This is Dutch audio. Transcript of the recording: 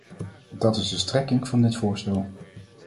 Dat is de strekking van dit voorstel.